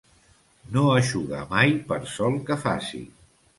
No eixugar mai per sol que faci.